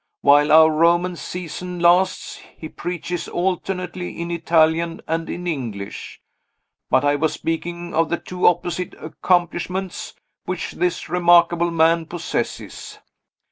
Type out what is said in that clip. While our Roman season lasts, he preaches alternately in Italian and in English. But I was speaking of the two opposite accomplishments which this remarkable man possesses.